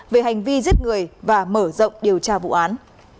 và mở rộng điều tra vụ án